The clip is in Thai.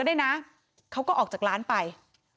ได้เลสข้อมือน้ำหนักตั้ง๕บาทไปอะค่ะ